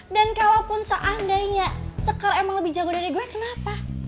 dan kalaupun seandainya soekar emang lebih jago dari gue kenapa